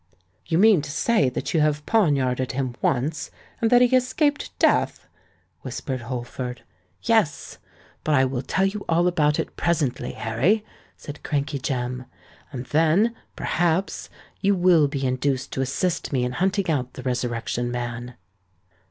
"You mean to say that you have poniarded him once, and that he escaped death?" whispered Holford. "Yes: but I will tell you all about it presently, Harry," said Crankey Jem; "and then, perhaps, you will be induced to assist me in hunting out the Resurrection Man."